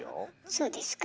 そうですか？